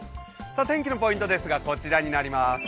天気のポイントですが、こちらになります。